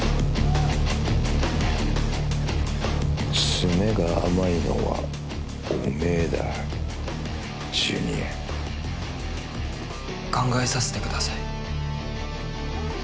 詰めが甘いのはおめえだジュニア考えさせてください